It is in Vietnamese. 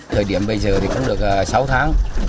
thời điểm bây giờ cũng được sáu tháng